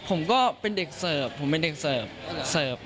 ผมก็เป็นเด็กเสิร์ฟผมเป็นเด็กเสิร์ฟเสิร์ฟ